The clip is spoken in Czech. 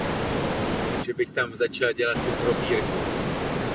Pojmenováno je podle thajského slova pro hvězdu.